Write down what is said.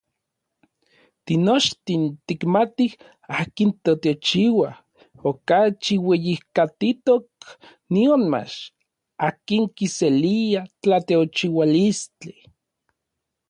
Tinochtin tikmatij akin teteochiua okachi ueyijkatitok nionmach akin kiselia tlateochiualistli.